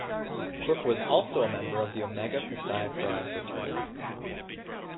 Crook was also a member of Omega Psi Phi fraternity.